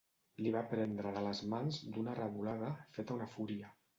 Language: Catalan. L'hi va prendre de les mans d'una revolada feta una fúria.